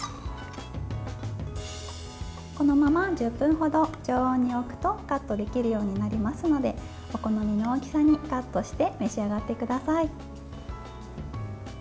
このまま１０分ほど常温に置くとカットできるようになりますのでお好みの大きさにカットして召し上がってください。